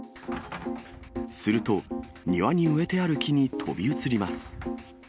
すると、庭に植えてある木に飛び移ります。